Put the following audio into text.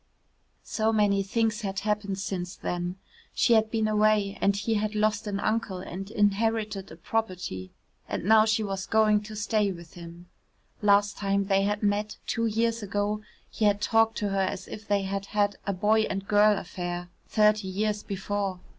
So many things had happened since then. She had been away and he had lost an uncle and inherited a property. And now she was going to stay with him. Last time they had met, two years ago, he had talked to her as if they had had a boy and girl affair thirty years before.